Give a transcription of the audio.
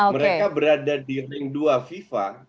mereka berada di ring dua fifa